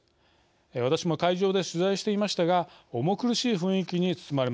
私も会場で取材していましたが重苦しい雰囲気に包まれました。